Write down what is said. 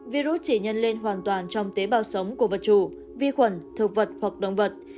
virus chỉ nhân lên hoàn toàn trong tế bào sống của vật chủ vi khuẩn thực vật hoặc động vật